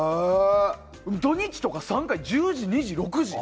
土日とか３回１０時、２時、６時。